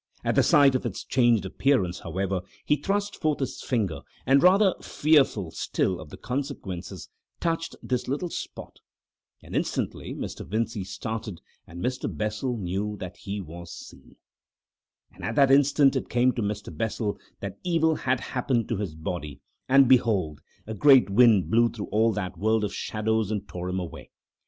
At the sight of its changed appearance, however, he thrust forth his finger, and, rather fearful still of the consequences, touched this little spot. And instantly Mr. Vincey started, and Mr. Bessel knew that he was seen. And at that instant it came to Mr. Bessel that evil had happened to his body, and behold! a great wind blew through all that world of shadows and tore him away.